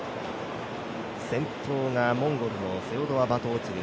先頭がモンゴルのセルオド・バトオチル